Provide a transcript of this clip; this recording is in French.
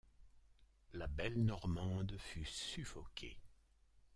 La belle Normande fut suffoquée.